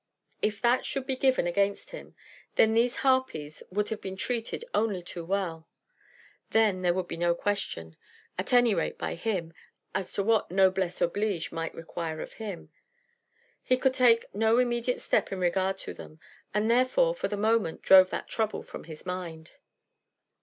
If that should be given against him, then these harpies would have been treated only too well; then there would be no question, at any rate by him, as to what noblesse oblige might require of him. He could take no immediate step in regard to them, and therefore, for the moment, drove that trouble from his mind.